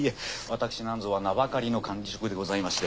私なんぞは名ばかりの管理職でございまして。